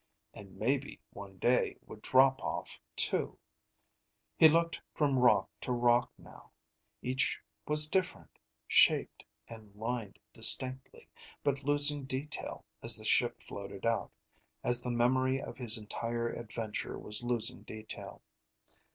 And maybe one day would drop off, too. He looked from rock to rock now. Each was different, shaped and lined distinctly, but losing detail as the ship floated out, as the memory of his entire adventure was losing detail.